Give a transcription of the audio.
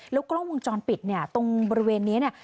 แล้วกล้องวงจรปิดเนี่ยตรงบริเวณนี้เนี่ย